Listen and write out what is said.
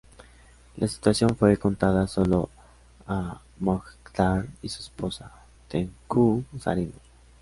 La situación fue contada solo a Mokhtar y su esposa, Tengku Zarina.